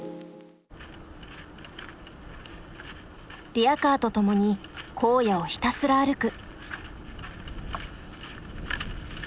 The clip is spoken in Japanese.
リヤカーと共に荒野をひたすら歩く。